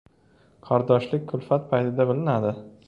• Qardoshlik kulfat payti bilinadi.